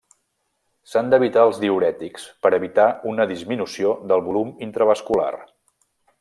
S'han d'evitar els diürètics per evitar una disminució del volum intravascular.